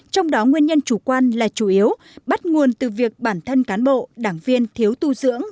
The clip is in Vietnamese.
trong đó nguyên nhân chủ quan là chủ yếu bắt nguồn từ việc bản thân cán bộ đảng viên thiếu tu dưỡng